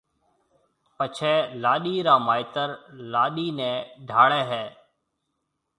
پڇيَ لاڏِي را مائيتر لاڏِي نيَ ڊاڙيَ ھيََََ